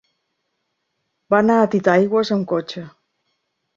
Va anar a Titaigües amb cotxe.